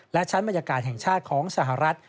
และชั้นบรรยากาศแห่งชาติของสหรัฐ